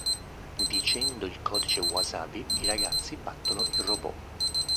Dicendo il codice wasabi, i ragazzi battono il robot.